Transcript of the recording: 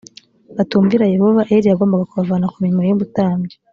batumvira yehova eli yagombaga kubavana ku mirimo y ubutambyi